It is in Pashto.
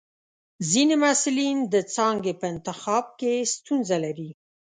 ځینې محصلین د څانګې په انتخاب کې ستونزه لري.